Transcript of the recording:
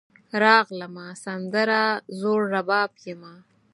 راغلمه , سندره زوړرباب یمه